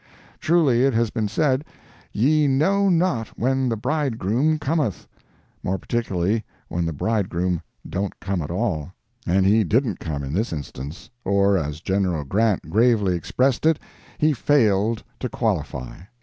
Truly it has been said, "Ye know not when the bridegroom cometh"—more particularly when the bridegroom don't come at all. And he didn't come in this instance—or, as General Grant gravely expressed it, he failed to qualify.